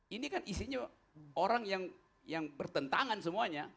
ini kan isinya orang yang bertentangan semuanya